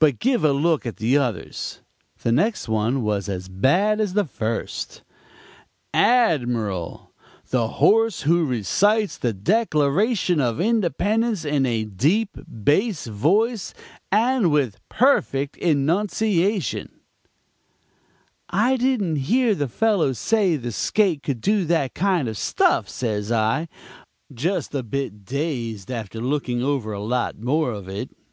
'But give a look at the others.' "The next one was as bad as the first: ADMIRAL!!! THE HORSE WHO RECITES THE DECLARATION OF INDEPENDENCE IN A DEEP BASS VOICE AND WITH PERFECT ENUNCIATION "'I didn't hear the fellow say the skate could do that kind of stuff,' says I, just a bit dazed, after looking over a lot more of it.